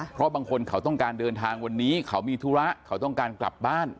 เพราะบางคนเขาต้องการเดินทางวันนี้เขามีธุระเขาต้องการกลับบ้าน